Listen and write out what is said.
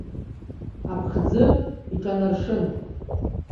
Аԥхӡы иҽанаршын.